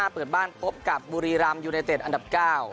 เปิดบ้านพบกับบุรีรำยูไนเต็ดอันดับ๙